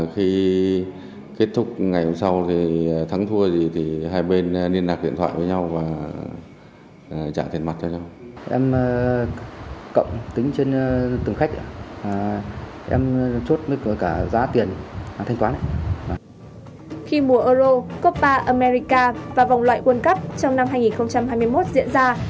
khi mùa euro copa america và vòng loại world cup trong năm hai nghìn hai mươi một diễn ra